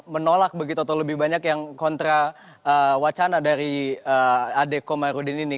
menolak begitu atau lebih banyak yang kontra wacana dari adek komarudin ini